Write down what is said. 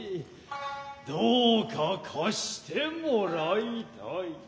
どうか貸して貰いたい。